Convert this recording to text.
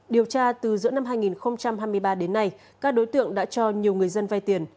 điều tra từ giữa năm hai nghìn hai mươi ba đến nay các đối tượng đã cho nhiều người dân vay tiền